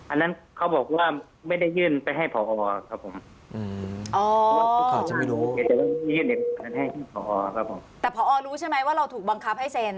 อันนั้นเขาบอกว่าไม่ได้ยื่นไปให้พอครับผมแต่พอรู้ใช่ไหมว่าเราถูกบังคับให้เซ็น